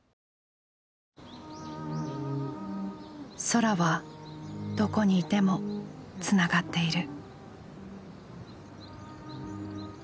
空はどこにいてもつながっている。